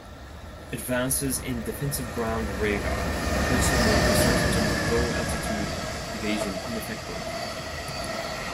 Advances in defensive ground radar also made the stratagem of low-altitude evasion ineffective.